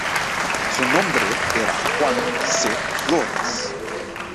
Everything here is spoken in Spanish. Su nombre era Juan C. Flores.